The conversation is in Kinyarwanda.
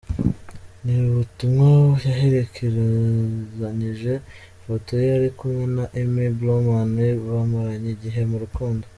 Ni ubutumwa yaherekerezanyije ifoto ye ari kumwe na Amy Blauman bamaranye igihe mu rukundo.